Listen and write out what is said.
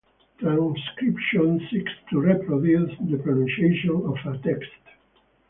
Transcription seeks to reproduce the "pronunciation" of a text.